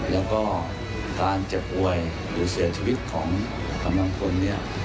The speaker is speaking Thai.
แล้วก็การเจ็บป่วยหรือเสียชีวิตของกำลังพลเนี่ย